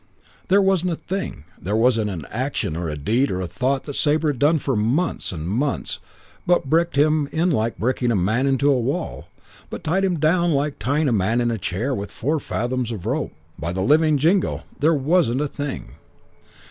There wasn't a thing, there wasn't an action or a deed or a thought that Sabre had done for months and months past but bricked him in like bricking a man into a wall, but tied him down like tying a man in a chair with four fathoms of rope. By the living Jingo, there wasn't a thing.